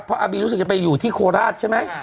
เพราะอาบีรู้สึกจะไปอยู่ที่โคราชใช่ไหม